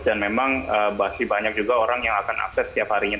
dan memang masih banyak juga orang yang akan akses setiap harinya